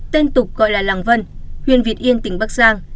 tên tục gọi là làng vân huyện việt yên tỉnh bắc giang